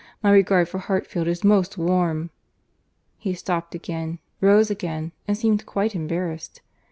My regard for Hartfield is most warm"— He stopt again, rose again, and seemed quite embarrassed.